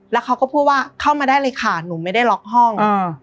แล้วเขาก็พูดว่าเข้ามาได้เลยค่ะหนูไม่ได้ล็อกห้อง